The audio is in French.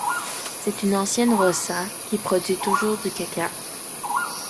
C'est une ancienne roça, qui produit toujours du cacao.